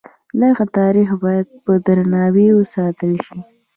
دغه تاریخ باید په درناوي وساتل شي.